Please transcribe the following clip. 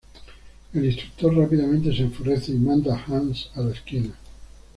El instructor rápidamente se enfurece y manda a Hans a la esquina.